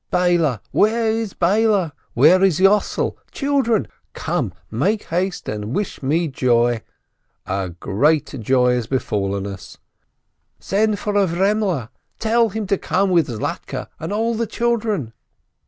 Beile! Where is Beile? Where is Yossel? Children! Come, make haste and wish me joy, a great joy has befallen us ! Send for Avremele, tell him to come with Zlatke and all the children."